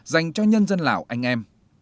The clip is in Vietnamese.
dành cho nhân dân lào anh em